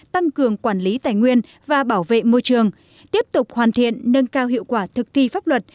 tăng cường quản lý tài nguyên và bảo vệ môi trường tiếp tục hoàn thiện nâng cao hiệu quả thực thi pháp luật